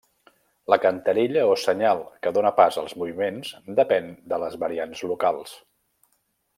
La cantarella o senyal que dóna pas als moviments depèn de les variants locals.